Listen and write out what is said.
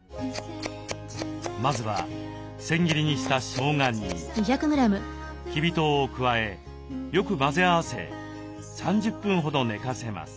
まずは千切りにしたしょうがにきび糖を加えよく混ぜ合わせ３０分ほど寝かせます。